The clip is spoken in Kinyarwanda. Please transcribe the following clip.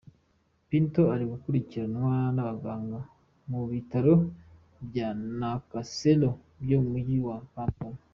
Pinto ari gukurikiranwa n’abaganga mu Bitaro bya Nakasero byo mu Mujyi wa Kampala.